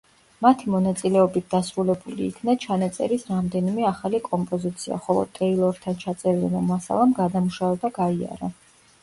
მათი მონაწილეობით დასრულებული იქნა ჩანაწერის რამდენი ახალი კომპოზიცია, ხოლო ტეილორთან ჩაწერილმა მასალამ გადამუშავება გაიარა.